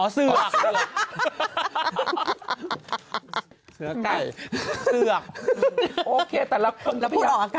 อ้อเสือก